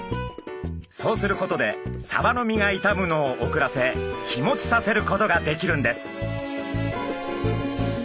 そうすることでサバの身が傷むのを遅らせ日もちさせることができるんです。